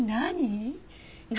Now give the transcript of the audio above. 何？